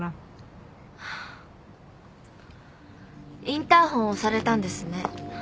インターホンを押されたんですね？